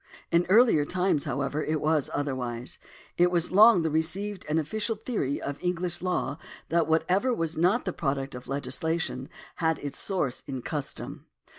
In earlier times, however, it was otherwise. It was long the received and ofificial theory of English law that whatever was not the product of legislation had its source in custom.